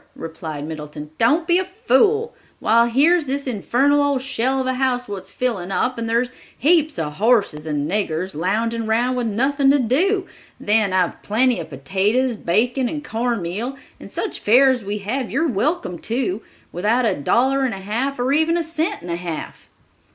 replied Middleton. "Don't be a fool! Why, here's this infernal old shell of a house wants filling up, and thar's heaps of horses and niggers lounging round with nothing to do; then I've plenty of potatoes, bacon and corn meal—and such fare as we have you're welcome to, without a dollar and a half, or even a cent and a half."